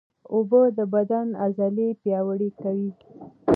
اوبه د بدن عضلې پیاوړې کوي